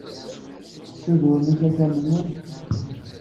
Tessudrem isafaren-nwen?